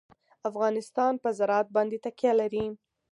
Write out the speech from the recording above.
افغانستان په زراعت باندې تکیه لري.